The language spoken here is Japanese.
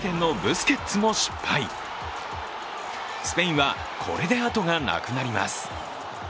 スペインは、これであとがなくなります。